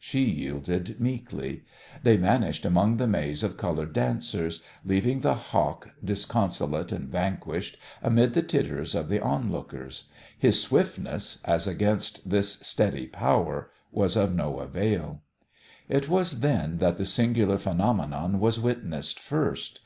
She yielded meekly. They vanished among the maze of coloured dancers, leaving the Hawk, disconsolate and vanquished, amid the titters of the onlookers. His swiftness, as against this steady power, was of no avail. It was then that the singular phenomenon was witnessed first.